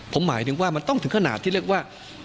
ผมหมายถึงว่ามันต้องถึงขนาดที่เรียกว่า